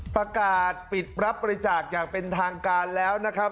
ประกาศปิดรับบริจาคอย่างเป็นทางการแล้วนะครับ